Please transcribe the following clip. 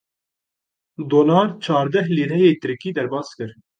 Dolar çardeh lîreyê Tirkî derbas kir.